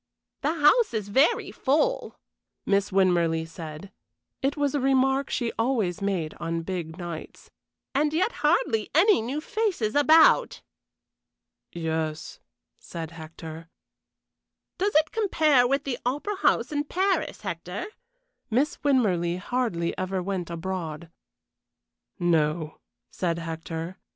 "The house is very full," Miss Winmarleigh said it was a remark she always made on big nights "and yet hardly any new faces about." "Yes," said Hector. "Does it compare with the Opera House in Paris, Hector?" Miss Winmarleigh hardly ever went abroad. "No," said Hector.